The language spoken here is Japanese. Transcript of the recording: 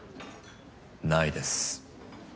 ないです。